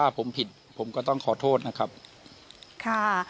๓๖ลุงพลแม่ตะเคียนเข้าสิงหรือเปล่า